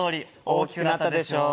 大きくなったでしょう？